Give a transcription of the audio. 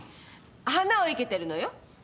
花を生けてるのよ。